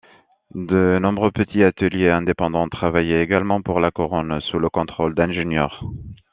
De nombreux petits ateliers indépendants travaillaient également pour la couronne, sous le contrôle d’ingénieurs.